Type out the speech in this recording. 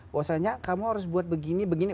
bahwasanya kamu harus buat begini begini